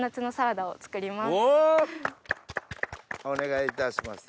お願いいたします。